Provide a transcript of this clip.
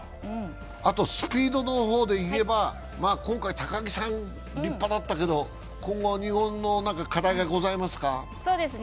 あとスピードの方でいえば、今回、高木さん立派だったけど、今後、日本の課題はございますか？